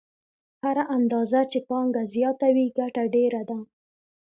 هره اندازه چې پانګه زیاته وي ګټه ډېره ده